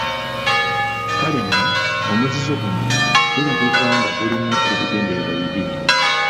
Kale nno omuzizo guno gulabibwa nga gulimu ebigendererwa bibiri.